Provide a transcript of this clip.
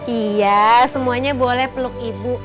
iya semuanya boleh peluk ibu